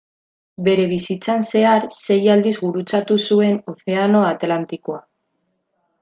Bere bizitzan zehar sei aldiz gurutzatu zuen Ozeano Atlantikoa.